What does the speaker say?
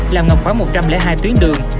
là ngập khoảng một trăm linh hai tuyến đường